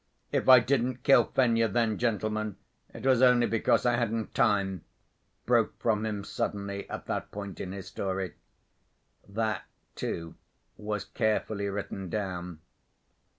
"If I didn't kill Fenya then, gentlemen, it was only because I hadn't time," broke from him suddenly at that point in his story. That, too, was carefully written down.